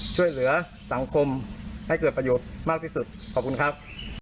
ช่วยเหลือสังคมให้เกิดประโยชน์มากที่สุดขอบคุณครับ